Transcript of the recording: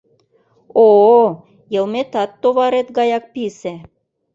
О-о! йылметат товарет гаяк писе!